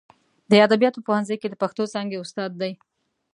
د ادبیاتو په پوهنځي کې د پښتو څانګې استاد دی.